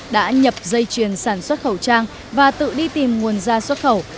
đã nhập dây chuyền sản xuất khẩu trang và tự đi tìm nguồn da xuất khẩu